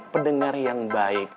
pendengar yang baik